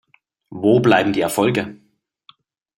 Wo bleiben die Erfolge?